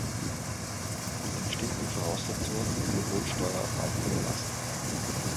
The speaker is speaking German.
Unter bestimmten Voraussetzungen kann die Grundsteuer auf Antrag erlassen werden.